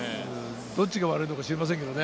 どっちが悪いのか知りませんけどね。